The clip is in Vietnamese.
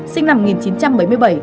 sinh năm một nghìn chín trăm bảy mươi bảy